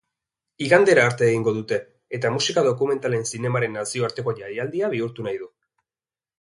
Igandera arte egingo dute eta musika dokumentalen zinemaren nazioarteko jaialdia bihurtu nahi du.